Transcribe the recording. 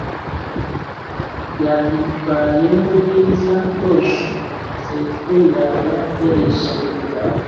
yabyitwayemo neza rwose; sekuru yaba yarishimye